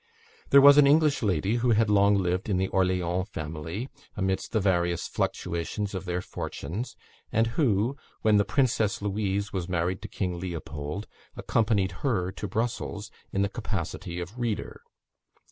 There was an English lady who had long lived in the Orleans family, amidst the various fluctuations of their fortunes, and who, when the Princess Louise was married to King Leopold, accompanied her to Brussels, in the capacity of reader.